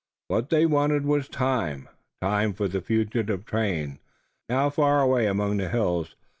What they wanted was time, time for the fugitive train, now far away among the hills.